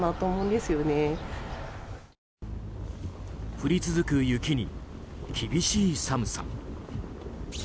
降り続く雪に、厳しい寒さ。